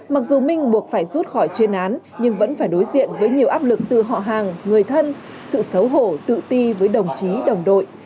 mặc dù minh buộc phải rút khỏi chuyên án nhưng vẫn phải đối diện với nhiều áp lực từ họ hàng người thân sự xấu hổ tự ti với đồng chí đồng đội